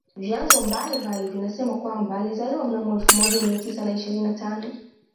Vyanzo mbalimbali vinasema kwamba alizaliwa mnamo elfu moja Mia tisa na ishirini na tano